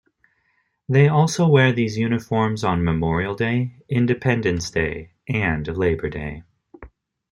They also wear these uniforms on Memorial Day, Independence Day, and Labor Day.